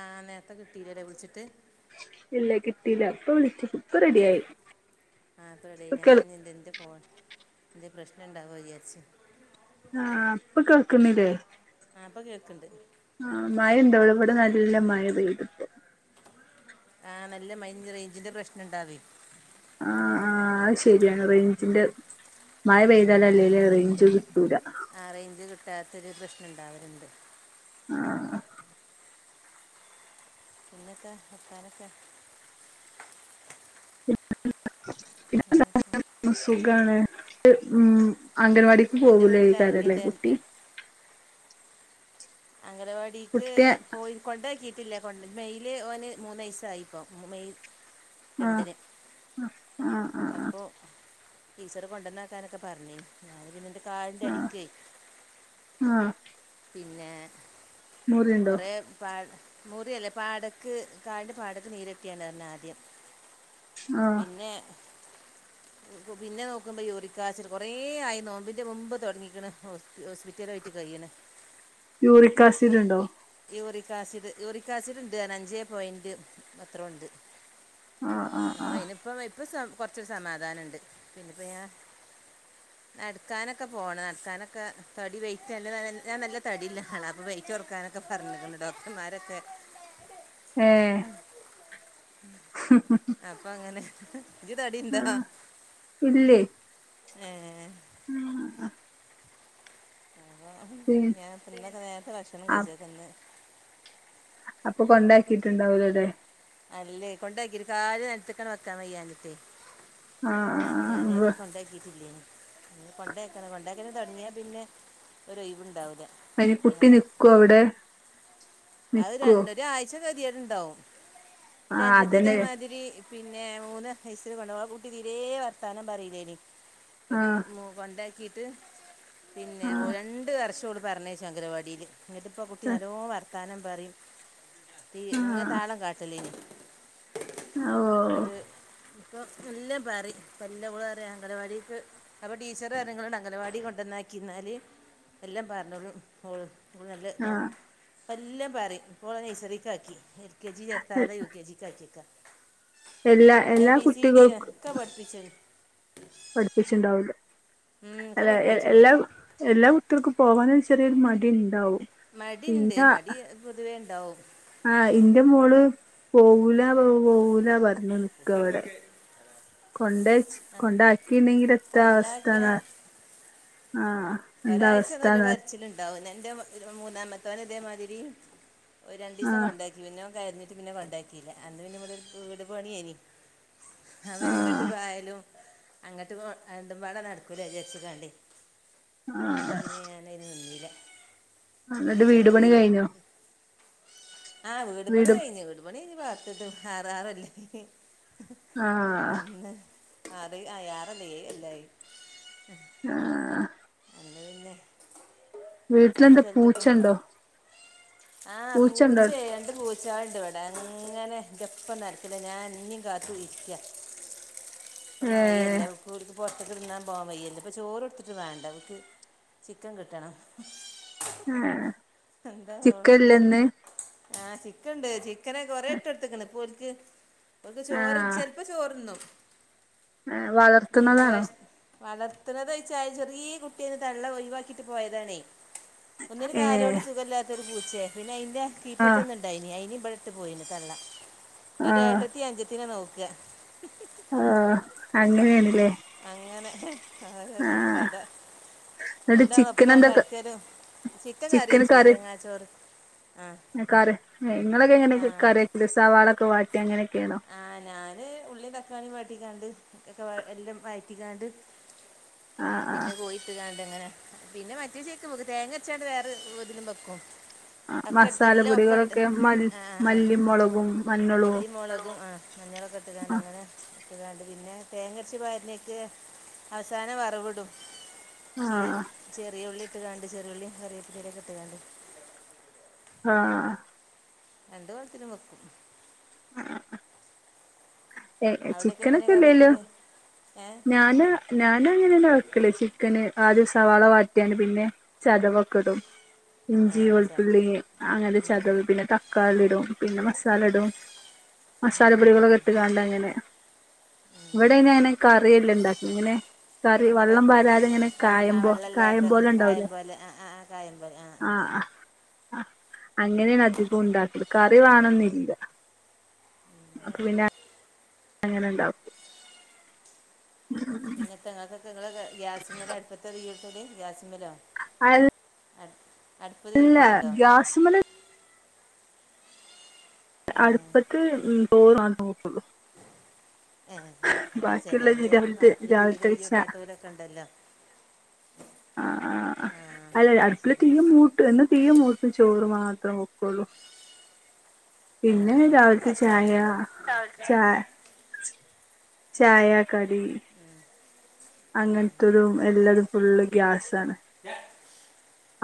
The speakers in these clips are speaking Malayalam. ആഹ് നേരത്തെ കിട്ടീല്ലല്ലേ വിളിച്ചിട്ട് ഇല്ല കിട്ടിയില്ലാ ഇപ്പോ വിളിച്ചു ഇപ്പൊ റെഡിയായി ആഹ് [unintelligible] ഇപ്പൊ കേൾ ഞാനിതിന്റെ ഫോൺ എന്തെ പ്രശ്നുണ്ടാവും വിചാരിച്ചു ആഹ് ഇപ്പ കേൾക്കുന്നില്ലേ ആഹ് ഇപ്പൊ കേക്ക്ണ്ട് ആഹ് മഴ ഇണ്ടോ ഇവിടെ നല്ല മഴ പെയ്തിപ്പോ ആഹ് നല്ല മഴ ഇഞ്ഞി റേഞ്ചിന്റെ പ്രശ്നം ഇണ്ടാവ്വെ ആഹ് ആഹ് അത് ശരിയാണ് റേഞ്ചിന്റെ മഴ പെയ്താലും അല്ലേലും റേഞ്ച് കിട്ടൂല ആഹ് റേഞ്ച് കിട്ടാത്തൊരു പ്രശ്നം ഉണ്ടാവലുണ്ട് ആഹ് പിന്നത്താ വർത്താനൊക്കെ [unintelligible] പിന്നൊക്കെ സുഖാണ് ഉം അംഗൻവാടിക്ക് എൻ്റെ പോകൂലേ വീട്ടിൽ ഈ കാര്യല്ലേ ആരൊക്കെയുണ്ട് അൻ- കുട്ടി അംഗനവാടിക്ക് കുട്ടിയെ പോയി കൊണ്ടാക്കിയിട്ടില്ല കൊണ്ട് മെയ്യിൽ ഓന് മൂന്ന് വയസ്സായിപ്പോ മെയ് രണ്ടിന് ആഹ് ആഹ് ആഹ് ടീച്ചറ് കൊണ്ടന്നാക്കാനൊക്കെ പറഞ്ഞ് ഞാന് പിന്നട് ആഹ് ആഹ് പിന്നെ കുറേ പാ മുറിയല്ല പാടക്ക് കാല്ന്റെ പാടക്ക് നീരത്തിയാണ്ടാർഞ്ഞു ആദ്യം ആ പിന്നെ പിന്നെ നോക്കുമ്പോൾ യൂറിക്കാസിഡ് കുറേയായി നോമ്പിൻ്റെ മുമ്പ് തുടങ്ങിക്ക്ണ് ഹോസ്പിറ്റലായിട്ട് കയ്യിണ് യൂറിക്കാസിഡുണ്ടോ യൂറിക്കാസിഡ് യൂറിക്കാസിഡ് ഉണ്ട് പറഞ്ഞ് അഞ്ചേ പോയിന്റ് എത്രെയോണ്ട് ആഹ് ആഹ് ആഹ് അപ്പം ഇപ്പൊ കൊറച്ച് സമാധാനുണ്ട് പിന്നെപ്പ ഞാ നടക്കാനൊക്കെ പോണം നടക്കാനൊക്കെ തടി വെയിറ്റല്ല ഞാൻ നല്ല തടിയുള്ള ആളാ അപ്പൊ വെയിറ്റ് കൊറക്കാനൊക്കെ പറഞ്ഞിക്കണ് ഡോക്ടർമാരൊക്കെ ഏഹ് അപ്പൊ അങ്ങനെ ഇജ് ആ തടിയുണ്ടോ ഏഹ് ഉം പി ഞാൻ [unintelligible] നേരത്തെ ഭക്ഷണം ആ കഴിച്ചേക്കന്ന് അപ്പൊ കൊണ്ടാക്കിട്ടുണ്ടാവുലലെ അല്ലേ കൊണ്ടാക്കി ഒരു കാല് നലത്ത്ക്കങ്ങട് വക്കാൻ വയ്യാഞ്ഞിട്ടെ അപ്പൊ ഞാന് ആഹ് ആഹ് കൊണ്ടാക്കിട്ടില്ലേനി ഇനി കൊണ്ടാക്കണം കൊണ്ടക്കണ തൊടങ്ങിയാ പിന്നെ ഒര് ഒഴിവുണ്ടാവൂല അയ്ന് കുട്ടി നിക്കോ അവിടെ അത് നിക്കോ രണ്ട് ഒരാഴ്ച കെതിയേട്ണ്ടാവും ഇന്റെ ആഹ് അഞ്ചത്തി അതന്നെ ഇതേമാതിരി പിന്നെ മൂന്ന് നഴ്സറി കൊണ്ടാവാൻ ആഹ് കുട്ടി തീരെ വർത്താനം പറിലേനി ന്നട്ട് ആഹ് മൂ കൊണ്ടാക്കിട്ട് പിന്നെ ആഹ് രണ്ട് വർഷം ഓള് പറഞ്ഞേച്ച് അങ്കലവാടിൽ ഇങ്ങട്ടിപ്പോ കുട്ടി നല്ലോ വർത്താനം പറിം ഇങ്ങ ആഹ് താളം കാട്ടലേനി ആഹ് ഓ ന്നട്ട് ഇപ്പം എല്ലം പറിം ഓള് പറയാ അങ്കലവാടിക്ക് അപ്പൊ ടീച്ചർ പറഞ്ഞ് ഇങ്ങളങ്ങട്ട് അംഗനവാടി കൊണ്ടന്നാക്കിന്നാല് എല്ലാം പറഞ്ഞോളും ഓള് നല്ല ഇത ആഹ് ഇപ്പൊ എല്ലം പറിം ഇപ്പോളെ നെയ്സറിക്ക് ആക്കി എൽ കെ ജി ചേർത്താതെ യു കെ ജി ചച്ചിക്കാ എല്ല എ ബി സീ ഡി ഒക്കെ പഠിപ്പിച്ച്ണ് പഠിപ്പിച്ചിണ്ടാവുലെ ഉം, ഒക്കെ അല്ല പഠിപ്പിച്ചിട്ടുണ്ട് എല്ലാ എല്ലാ കുട്ട്യാൾക്കും പോവാനൊരു ചെറിയൊരു മടിണ്ടാവും മടിണ്ട് മടി പൊതുവേ ഉണ്ടാവും ആഹ് ഇന്റെ മോള് പോവൂല പോവൂല പറഞ്ഞ് നിക്കാവിടെ കൊണ്ടച്ച് ആ കൊണ്ടാക്കിണ്ടെങ്കിൽ എത്താ അവസ്ഥന്നാ കൊണ്ടാക്കിയാൽ ആഹ് എന്താ ഒരാഴ്ച നല്ല അവസ്ഥന്ന കരച്ചിലുണ്ട് [unintelligible] ഇന്റെ മൂന്നാമത്തോന് ഇതേമാതിരി ഒ രണ്ടീസം ആഹ് കൊണ്ടെ പിന്നെ ഓൻ കര്ഞ്ഞിട്ട് പിന്നെ കെണ്ടയ്ക്കീലാ അന്ന് പിന്നെ ഇവ്ടെ ഒര് വീട് പണ്യേനി അത്പിന്നെ ഇങ്ങട്ട് ആഹ് പായലും അങ്ങട്ട് രണ്ടും പാട നടക്കൂല വിജാരിച്ച് കാണ്ടെ അപ്പ ആഹ് പിന്നെ ഞാനയ്ന് നിന്നീലാ പ്പ എന്നിട്ട് വീട് പണി ടീച്ചർക്ക്ത് കഴിഞ്ഞോ ആഹ് വീട് പണി വീടും കഴിഞ്ഞ് വീട് പണി കഴിഞ്ഞ് പാർത്തിട്ട് [unintelligible] ആഹ് അന്ന് ആറ് ആയ് ആറല്ല ഏഴാെല്ലായ് ആഹ് അന്ന് പിന്നെ രണ്ട് വീട്ടിലെന്താ സൽത്ത്ക്കും പൂച്ചണ്ടോ ആഹ് പൂച്ചണ്ടോ പൂച്ചേ രണ്ട് പൂ ച്ചാള്ണ്ട് വെടെ അങ്ങെനെ ഇന്റെപ്പം നടക്ക്ണ് ഞാൻ ഞ്ഞിം കാത്ത് ഇര്ക്ക്യാ ഇപ്പം ഏഹ് മയീയല്ലേ അപ്പോൽക്ക് പൊർത്ത്ക്ക് തിന്നാം പോവാം വെയ്യല്ലോ പ്പൊ ചോറൊട്ത്ത്ട്ട് വേണ്ട വ് ഉം ചിക്കൻ കിട്ടെണം ആഹ് എന്താവോ ആ ചിക്കൻണ്ട് ചി ക്കെന് കൊറേ ഇട്ടൊട്ത്ത്ക്ക്ണ് ഇപ്പോൽക്ക് ഓൽക്ക് ചോറ് ആഹ് ചെൽപ്പം ചോറ്ന്നും ഏഹ് ഏഹ് എത്ര വളർത്തുന്നതാണോ വയസ് വളർത്ത്ണതോയ്ച്ച ചെറീ കുട്ട്യാന്ന് തള്ള ഒഴിവാക്കിട്ട് പോയതാണേയ് ഒന്നൊരു കാലോണ്ട് ഏഹ് സുഖല്ലാത്തൊരു പൂച്ചേ പിന്നെ അയ്ന്റെ ആഹ് കീപ്പെട്ടൊന്നുണ്ട് ണ്ടായിനി അയിനി ഇബടെട്ട് പോയിനി തള്ള ന്നിട്ട് ആഹ് ഏട്ടത്തി അഞ്ചത്തിനെ നോക്ക ആഹ് അങ്ങനേണ്ല്ലേ അങ്ങനെ ഓരോരോ കഥ എന്നിട്ട് രണ്ടാളും ചിക്കൻ ഒപ്പം എന്തൊക്കെ കട്ക്കലും ചിക്കൻ കറിയെച്ചു തേങ്ങാച്ചോറ് ആ ങ്ങകാറ് ഇങ്ങളൊക്കെ എങ്ങനെ ആ കറിക്കല് സവാളൊക്കെ വാട്ടി അങ്ങനെക്കേണോ ആഹ് ഞാന് ഉള്ളീം തക്കാളീം വാട്ടിക്കാണ്ട് ഒക്കെ എല്ലാം വഴറ്റിക്കാണ്ട് ആഹ് ആഹ് പിന്നെ പോയിട്ട് കാണ്ട് അങ്ങനെ പിന്നെ മറ്റേ ചേക്കും വെക്കും തേങ്ങര്ച്ചാണ്ട് വേറെ ഇതിലും വെക്കും ആഹ് ഒക്കെ ഇട്ട് എല്ലാം ഒപ്പം ഇട്ട് മസാലപ്പൊടികളൊക്കെ മൽ ആ ആ, ആ മല്ലിം മൊളകും മഞ്ഞളോ മല്ലി മുളകും ആഹ് മഞ്ഞളൊക്കെ ഇട്ടുകാണ്ട് അങ്ങനെ ഇട്ടുകാണ്ട് പിന്നെ തേങ്ങരച്ചി പാര്നേക്ക് അവസാനം വറവിടും ചീ ചെറിയ ഉള്ളി ഇട്ട്കാണ്ട് ചെറിയ ഉള്ളി കറിവേപ്പീട്ടലക്കോ ഇട്ട്കാണ്ട് ആഹ രണ്ട് കോലത്തിലു വെക്കും ആ് ഏ അവിടെയൊക്കെ എങ്ങനെ കറി ചിക്കനൊക്കെല്ലേല്ലോ വെക്കല് ഏ ഞാന് ഞാന അങ്ങനെന്ന വെക്കല് ചിക്കന് ആദ്യ സവാള വാറ്റിയാണ്ട് പിന്നെ ചതവൊക്കെടും ആ ഇഞ്ചി സാ വെളുത്തുള്ളി അങ്ങനെ ഉം, ഉം, ചതവ് പിന്നെ തക്കാളിടും പിന്നെ മസാലടും ഉം, ഉം, മസാലപ്പൊടികളൊക്കെ ഉം. ഇട്ട്കാണ്ട് അങ്ങനെ ഇവടെ അയിനുഅങ്ങനെ ഒക്കെ. കറിയെല്ലാണ്ടാക്ക ഇങ്ങനെ കറി അങ്ങനെ വെള്ളം പാരാതേ ഇങ്ങനെ വെ- ആ കായം പോ കായം വെള്ളമില്ലാത്ത പോലെ കായം ണ്ടാവുലേആഹ പോലെ ആ ആ ആ കായം പോലെ ആ ആ അങ്ങനെണ് അധികോ ണ്ടാക്കല് കറി ഉം. വേണൊന്നില്ല അപ്പൊ പിന്നെ അങ്ങനെ ണ്ടാവും ഉ പിന്നെത്ത ങ്ങൾക്ക്ക്കെ നിങ്ങള് ഗ്യാസ് മല അടുപ്പത്ത ഈടുത്ത ഗ്യാസ് മലോ അൽ അ ഇല്ല ഗ്യാസ്മ്മല് ഏ, അടുപ്പത്ത് തോറ ആണ്ട് നോക്കള്ളൂ ആ് അല്ല ബാക്കിയുള്ള ചേലോര് രാവിലത്തെ അടുപ്പീലു തീരെ രാവിലത്തെ വെച്ച തിയൂട്ടാത്തരൊക്കെ ണ്ടല്ലോ ആ ആ അല്ല അടുപ്പില് ശരി തീയും പ്പു എന്നാ തീ മൂട്ടൂചോറ് മാത്രേ വോക്കുള്ളൂ ആ പിന്നെ രാവിലത്തെ ചായ കുറച്ചാളല്ലോ ആ ചായ ചായ കടി അങ്ങനത്തെരു എല്ലാതും ഫുള്ള് ഗ്യാസാണ്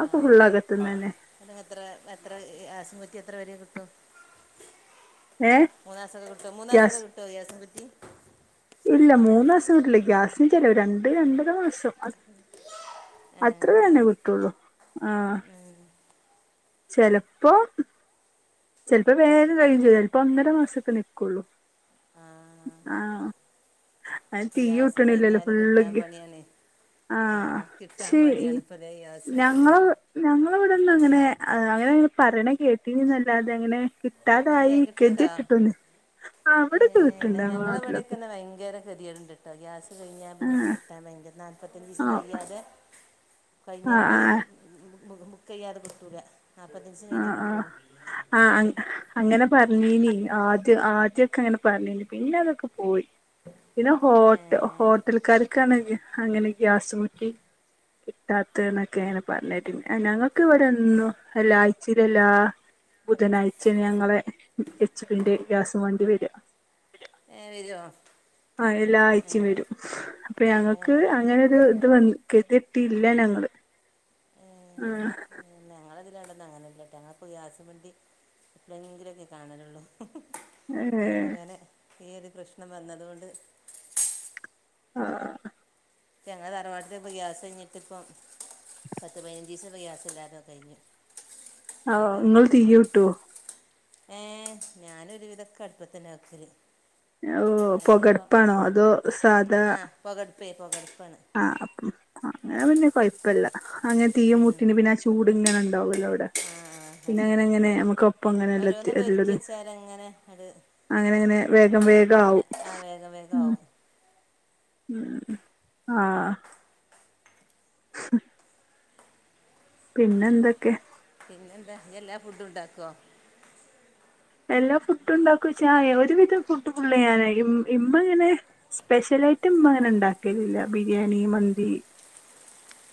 ആപ്പ ഫുള്ളാതോക്കേ തന്നേ അത് എത്ര എത്ര ഗ്യാസ്കുറ്റി എത്ര വരെ കിട്ടും ഏ മൂന്നാസൊക്കെ കിട്ടോ മൂന്നാസൊക്കെ ഗ്യാസ് കിട്ടോ ഗ്യാസ്കുറ്റി ഇല്ല മൂന്നാസം കീട്ടുല്ല ഗ്യാസിനന് ചിലവ രണ്ട് രണ്ടര മാസം ഏ. അത്രേന്നെ കിട്ടുള്ളൂ ആഹ ഉം ചേലപ്പോ ചേലപ്പോ വേഗം കയ്യും ത് ചേലപ്പോ ഒന്നര മാസൊക്കെ നിക്കുള്ളൂ ആഹ ആഹ അ തീ റിയാസ് കുട്ടണില്ലല്ലോ കഴിഞ്ഞാലും ഫുള്ള് കിട്ടാൻ പണിയാണ് ആഹ ആഹ് കിട്ടാൻ ശെ പണിയാണ് ഇപ്പൊ ദേ ഗ്യാസ് ഞങ്ങള് ഞങ്ങളേ ഇവിടന്നങ്ങനെ അങ്ങനെ പറയണ കേട്ടിന്നല്ലാതെ അങ്ങനെ ഇല്ലേ ട്ടതായി കിട്ടുണ്ടോ കെതിട്ടിട്ടുന്നുല്ല ആ് അവിടക്കേ ഏഹ് കിട്ടുണ്ട് ഞങ്ങളെ നാട്ടിലൊക്കെ ഞങ്ങളവിടെയൊക്കെന്നെ ഭയങ്കര ഗതികേട് ണ്ട് ട്ടോ ഗ്യാസ് കഴിഞ്ഞ പിന്നെ ആഹ് കിട്ടാൻ ഭയങ്ക നാല്പത്തഞ്ച് ദിവസം ആഹ് കയ്യാതേ ആഹ് കഴിഞ്ഞാണ്ട് ആഹ് ബുക്ക് ചെയ്യാതെ കിട്ടൂല നാൽപ്പത്തഞ്ചിസ കഴിഞ്ഞട്ട് കിട്ടുള്ളൂ ആ അങ്ങനെ പറഞ്ഞീനി ആദ്യ ആദ്യൊക്കെ അങ്ങനെ പറഞ്ഞീനി പിന്നെ അതൊക്കെ പോയി പിന്നെ ഹോട്ട ഏഹ് ഹോട്ടൽക്കാർക്കാണെ അങ്ങനെ ഗ്യാസ് കുറ്റി കിട്ടാത്തേന്നൊക്കെനെ പറഞ്ഞേട്ടേ ഞങ്ങൾക്ക് ഇവിടെന്നും എല്ലാ ചിരില്ല ബുധനാഴ്ച ഞങ്ങളെ എച്ച് പിന്റെ ഗ്യാസും വണ്ടി വരിക ഏ വരോ ആ എല്ലാ ആയ്ച്ചി വരും അപ്പൊ ഞങ്ങക്ക് ഏഹ് അങ്ങനെരു ഇത് വ ഗ തികേട്ടില്ല ഞങ്ങള് ആഹ ഞങ്ങളത് അങ്ങനെല്ലട്ട അങ്ങപ്പൊ ഗ്യാസ് വണ്ടി ഇ ഭയങ്കരൊക്കെ കാണാനുള്ളൂ ഇപ്പൊ ഇങ്ങനെ ഈ ഒരു പ്രശ്നം വന്നത് കൊണ്ട് ആഹ് ഞങ്ങള തറവാട്ടില് ഇപ്പ ഗ്യാസ് കഴിഞ്ഞിട്ട് ഇപ്പം പത്ത് പതിനഞ്ച് ദിവസം ഗ്യാസില്ലാത്തെ കഴിഞ്ഞു. ആഹ് നിങ്ങള് തീ കൂട്ടുവോ? ഏഹ് ഞാന് ഒരുവിധൊക്കെ അടുപ്പ തന്നെയാ വെക്കല്. ആഹ് ഓഹ് പൊകയടുപ്പാണോ അതോ സാധാ പൊകടുപ്പേ പൊകടുപ്പാണ്. ആഹ് അപ്പം അങ്ങനെ പിന്നെ കൊഴപ്പയില്ല അങ്ങനെ തീയ മുട്ടിന് പിന്നെ ആ ചൂട് ഇങ്ങനെ ഉണ്ടാവുമല്ലോ അവിടെ ആ അത് പിന്നെ അങ്ങനെ ശരി അങ്ങനെ നമുക്ക് ഒപ്പം ഓരോന്നുണ്ട് ഒരുക്കി അങ്ങനെല്ലാത്തിനും വെച്ചാൽ അങ്ങനെ അത് അങ്ങനെ അങ്ങനെ വേഗം വേഗം അങ്ങ് ആവും ആ വേഗം വേഗം ഉം ആവും ഉം ആഹ് പിന്നെന്തൊക്കെ പിന്നെ എന്താ യ്യ് എല്ലാ ഫുഡും ഉണ്ടാക്കുവോ എല്ലാ ഫുഡും ഉണ്ടാക്കുംചാ ഒരുവിധം ഫുഡ് ഫുള്ള് ഞാനാരിക്കും ഇമ്മ ഇങ്ങനെ സ്പെഷ്യലായിട്ട് ഇമ്മ അങ്ങനെ ഉണ്ടാക്കലില്ല ബിരിയാണി മന്തി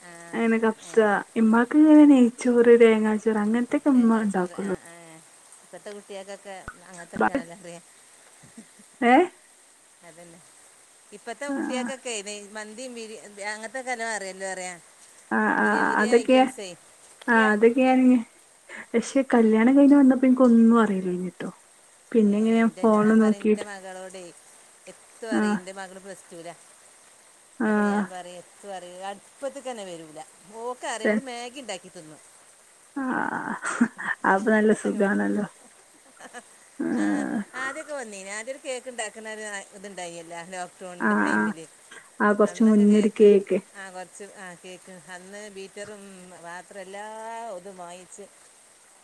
ആ അങ്ങനെ കബ്സ ഏ ഇമ്മാക്ക്ങ്ങനെ നെയ്ച്ചോറ് തേങ്ങാച്ചോറ് അങ്ങനത്തെ തേങ്ങാച്ചോറ് ആഹ് ആഹ് ഇപ്പത്തെ കുട്ടികക്കൊക്കെ അങ്ങനത്തൊക്കെയാണല്ലോ ഏഹ് അതന്നെ ഇപ്പത്തെ ആ കുട്ടിയക്കൊക്കെ നെയ് മന്തീം ബിരി അങ്ങനത്തെക്കെനോ അറിയല്ലോ അറിയ ആ പുതിയ പുതിയ അതൊക്കെ ഐറ്റംസേ ക്കേ [unintelligible] പക്ഷെ കല്യാണം കഴിഞ്ഞു വന്നപ്പോ എനിക്ക്‌ ഒന്നും അറിയില്ലരുന്നൂട്ടോ പിന്നെ എങ്ങനെയാ ഫോണ് നോക്കിട്ട് മകളോടെ എത്ത് ആ പറയും എന്റെ മകള് പ്ലസ്ടൂലാ ആ എന്നിട്ട് ഞാൻ പറയും [unintelligible] പറയുക അടുപ്പത്തക്ക്‌ തന്നെ വരൂല്ല, ഓക്ക്‌ അറിയാം ഓള് മാഗി ഉണ്ടാക്കി തിന്നും. ആഹ് [unintelligible] ആഹ് ആദ്യൊക്കെ വന്നീന് ആദ്യ ഒരു കേക്ക് ഇണ്ടാക്കുന്ന ഇത്ണ്ടായില്ലോ? ലോക് ആ ഡൗണിന്റെ ആ ടൈമില് ആ കൊറച്ച് അന്നൊക്കെ മുന്നൊരു കേക്ക് ആഹ് കൊറച്ച് ആ കേക്ക് അന്ന് ബീറ്ററും പാത്രം എല്ലാം ഒതും വാങ്ങിച്ച്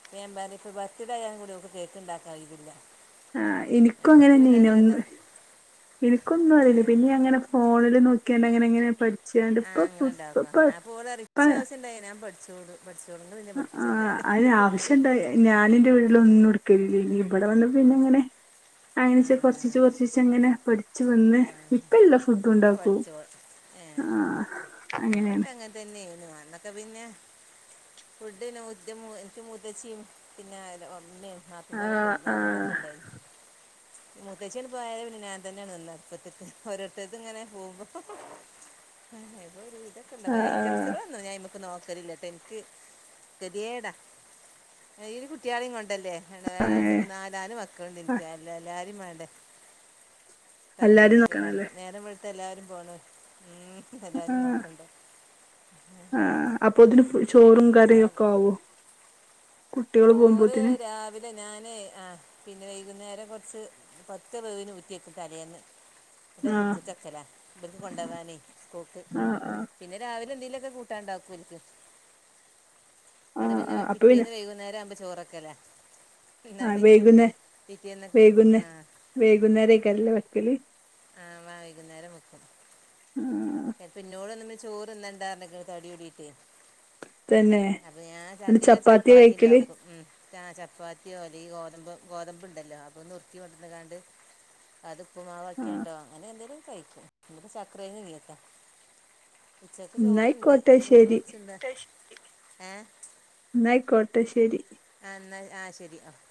അപ്പൊ ഞാൻ പറഞ്ഞ് ഇക്ക് ബർത്ത്ഡേ ആയാ കൂടി ഓക്ക് കേക്ക്‌ണ്ടാക്കാൻ കഴിയൂല. ആഹ് എനിക്കും അങ്ങനെ തന്നെയായിന്, ഒന്ന് എനിക്കൊന്നും അറില്ല, പിന്നെ ഞാനങ്ങനെ ഫോണിൽ നോക്കിയാണ്ട് അങ്ങനെയിങ്ങനെ പഠി ആഹ് അങ്ങനെണ്ടാക്കും ആഹ് അപ്പോ ഓള്റയും ഇപ്പ ച്ച് ദിവസണ്ടായ ഞാൻ പഠിച്ചോളും. പഠിച്ചോളും നിങ്ങള് എന്നെ പഠിപ്പിച്ചണ്ടാന്ന് ഞാൻ എന്റെ വീട്ടില് ഒന്നും എടുക്കല്ലേനി, ഇവിടെ വന്ന് പിന്നെ അങ്ങനെ അങ്ങന ആ ഇച്ചി കൊറച്ചേച്ച് കൊറച്ചേച്ച് ച്ചങ്ങനെ പഠിച്ചു വന്ന് ആ ഇപ്പ എല്ലാ ഫുഡും ആ ഉണ്ടാക്കും, പഠിച്ചോൾ ആഹ് അങ്ങനെയാണ്. അതന്നെയായിനു, അന്നൊക്കെ പിന്നെ ഫുഡിന് [unintelligible] മുത്തേച്ചിയും പിന്നെ ആരാ ഉമ്മേം നാത്തൂൻമാരൊക്കെ ആഹ് ആഹ് നാത്തൂനൊക്കെണ്ടാരുന്നു. മുത്തച്ചിയങ്ങ് പോയേ പിന്ന ഞാൻ തന്നെയാണ് [unintelligible] ഒരോരുത്തര് ഇതങ്ങനെ പോകും ഇതൊരുവിധ ക്കൊണ്ടോ ഐറ്റം ആഹ് [unintelligible] ഞാനിമ്മക്ക് നോക്കലില്ലാട്ട എനിക്ക് ശരിയേടാ. [unintelligible] കുട്ട്യാളെയും കൊണ്ടല്ലേ [unintelligible] ആഹ് രണ്ട് ഏഹ് മൂന്നാ നാല് മക്കള്ണ്ടെനിക്ക് എല്ലാ എല്ലാരേം വേണ്ടേ? എല്ലാരിം പറഞ്ഞയക്ക് പർ നോക്കണല്ലേ നേരം വെള്ത്ത എല്ലാരും പോണൊരാ ഉം ആഹ്. ആഹ് അപ്പൊത്തിന് ഫു ചോറും പിന്നെ കറിയും ഒരാളെ ഒക്കെ ആവോ കുട്ടികള് ചോറ് പോകുമ്പോത്തിന് രാവി ലെ ഞാനെ ആഹ് പിന്നെ വൈകുന്നേരം കൊറച്ച് ഒറ്റ വേവിന് ഊറ്റ്യേക്കും തലേന്ന്. [inaudible] ന്നട്ടത് ഫ്രിഡ്ജിക്ക് വെക്കലാ ഇബര്ക്ക് കൊണ്ടോവാനേ സ്കൂക്ക് ആഹ് ആഹ് പിന്നെ രാവിലെ എന്തേലൊക്കെ കൂട്ടാൻണ്ടാക്കോൽക്ക്. ഇന്നട്ട് ആഹ് പിന്നെ ആഹ് അപ്പൊ പിന്നെ പിറ്റേന്ന് വൈകു ന്നേരാവുമ്പം ചൊറെക്കലാ. ഇന്നാ ആ പിന്നെ വൈകുന്നേ പിറ്റ്യേന്നക്ക് ആഹ് വൈകുന്നേരെയ്ക്കാരലെ വെക്കല് ആഹ് വായ്കുന്നേരം വെക്കും. ആ അതിപ്പിന്നോടർഞ്ണ് ചോറ്ന്നണ്ടാർഞ്ഞ്ക്ക്ണ് തടിയൂടീട്ടെ. തന്നെ അപ്പ ഞാൻ ന്നിട്ട് അധികം ചപ്പാത്തിയാ ചപ്പാത്തി കഴിക്കല് ണ്ടാക്കും ഉം ആഹ് ചപ്പാത്തിയോ അല്ലെങ്കി ഗോതമ്പം ഗോതമ്പ് ണ്ടല്ലോ അപ്പം നുർക്കി കൊണ്ടന്ന്കാണ്ട് അത് ആ ഉപ്പ്മാവാക്യാണ്ടോ അങ്ങനെ എന്തേലൊക്കെ കഴിക്കും ഇന്നിപ്പോ ചക്ക്‌റേഴ്ങ്ങ് പുഴുങ്ങ്യേക്കാ. ഉച്ചക്ക് ചോറ്ണ്ട്. ന്നായിക്കോട്ടെ ചോറ് ശരി കൊറച്ച്ണ്ട്. ഏഹ്? ന്നാ അയിക്കോട്ടെ ശരി. ആഹ് ഇന്നാ ആഹ് ശരി ആഹ്.